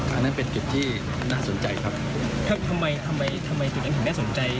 อันนั้นเป็นเก็บที่น่าสนใจครับครับทำไมทำไมทำไมเก็บอย่างแห่งน่าสนใจ